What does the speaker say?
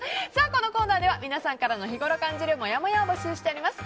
このコーナーでは皆さんの日頃感じるもやもやを募集しております。